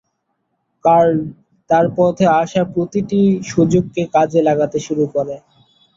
Curl তার পথে আসা প্রতিটি সুযোগকে কাজে লাগাতে শুরু করে।